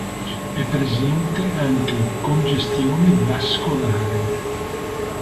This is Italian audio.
È presente anche congestione vascolare.